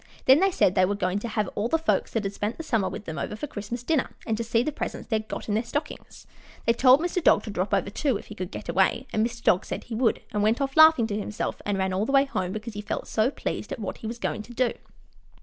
Then they said they were going to have all the folks that had spent the summer with them over for Christmas dinner and to see the presents they had got in their stockings. They told Mr. Dog to drop over, too, if he could get away, and Mr. Dog said he would, and went off laughing to himself and ran all the way home because he felt so pleased at what he was going to do.